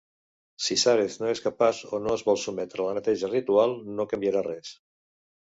Si Sareth no és capaç o no es vol sotmetre a la neteja ritual, no canviarà res.